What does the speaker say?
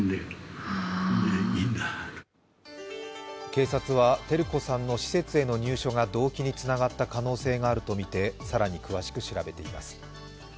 警察は照子さんの施設への入所が動機につながった可能性があるとみて更に詳しく調べています。